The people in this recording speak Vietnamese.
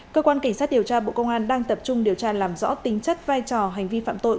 cơ quan cảnh sát điều tra bộ công an đang tập trung điều tra làm rõ tính chất vai trò hành vi phạm tội